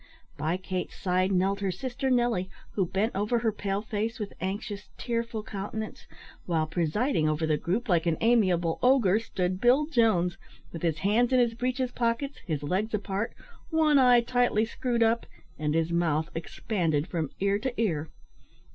By Kate's side knelt her sister Nelly, who bent over her pale face with anxious, tearful countenance, while, presiding over the group, like an amiable ogre, stood Bill Jones, with his hands in his breeches pockets, his legs apart, one eye tightly screwed up, and his mouth expanded from ear to ear.